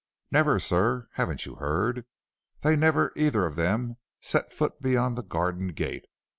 "Never, sir; haven't you heard? They never either of them set foot beyond the garden gate.